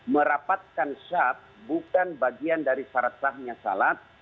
merapatkan saf bukan bagian dari syarat sahnya sholat